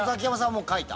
もう書いた？